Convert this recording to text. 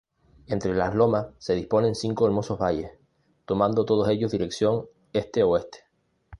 Entre las lomas se disponen cinco hermosos valles, tomando todos ellos dirección este-oeste.